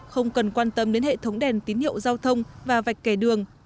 không cần quan tâm đến hệ thống đèn tín hiệu giao thông và vạch kẻ đường